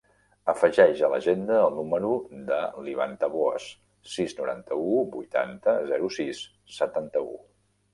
Afegeix a l'agenda el número de l'Ivan Taboas: sis, noranta-u, vuitanta, zero, sis, setanta-u.